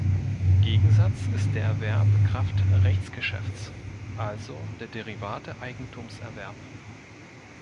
Gegensatz ist der Erwerb kraft Rechtsgeschäfts, also der derivative Eigentumserwerb.